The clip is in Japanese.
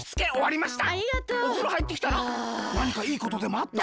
なにかいいことでもあった？